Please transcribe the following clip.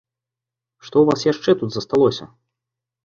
Што ў вас яшчэ тут засталося?